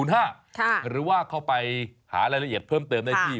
หรือว่าเข้าไปหารายละเอียดเพิ่มเติมได้ที่